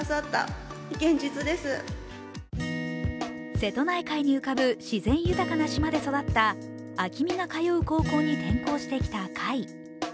瀬戸内海に浮かぶ自然豊かな島で育った暁海が通う高校に転校してきた櫂。